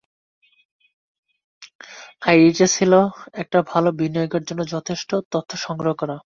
আইডিয়াটা ছিল একটা ভালো বিনিয়োগের জন্য যথেষ্ট তথ্য সংগ্রহ করা।